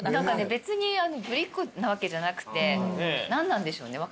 別にぶりっ子なわけじゃなくて何なんでしょうね分かんないんだけど。